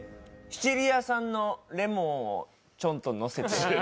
シチリア産のレモンをちょんと乗せて。